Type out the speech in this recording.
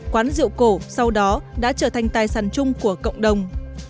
quán rượu cổ sau đó đã trở thành tài sản chung của cộng đồng